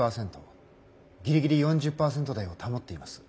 ギリギリ４０％台を保っています。